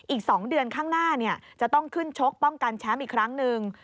อีก๒เดือนข้างหน้าจะต้องขึ้นชกป้องกันแชมป์อีกครั้งหนึ่ง